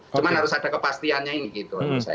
cuma harus ada kepastiannya ini gitu